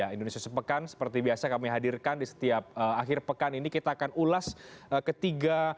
indonesia sepekan seperti biasa kami hadirkan di setiap akhir pekan ini kita akan ulas ketiga